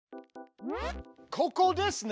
ここですね！